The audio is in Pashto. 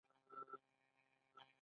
زه غواړم خپل هدف ته ډیر کار وکړم